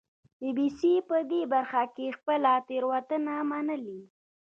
بي بي سي په دې برخه کې خپله تېروتنه منلې